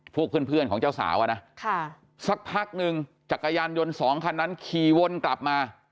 พวกเพื่อนของเจ้าสาวอะนะสักพักนึงจักรยานยนต์สองคันนั้นขี่วนกลับมา